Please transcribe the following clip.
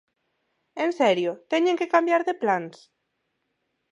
¿En serio?, ¿teñen que cambiar de plans?